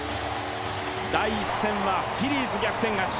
第１戦は、フィリーズ逆転勝ち。